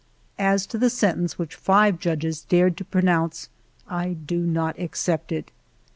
As to the sentence which five judges dared to pronounce, I do not accept it.